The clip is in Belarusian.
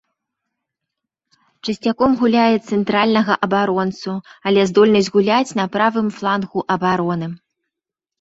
Часцяком гуляе цэнтральнага абаронцу, але здольны згуляць на правым флангу абароны.